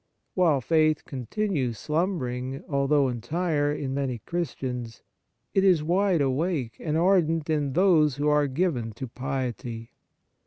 While faith continues slumbering, although entire, in many Christians, it is wide awake and ardent in those who are given to piety.